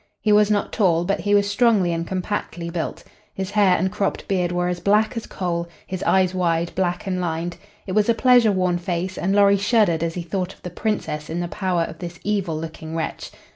He was not tall, but he was strongly and compactly built. His hair and cropped beard were as black as coal, his eyes wide, black and lined, It was a pleasure worn face, and Lorry shuddered as he thought of the Princess in the power of this evil looking wretch.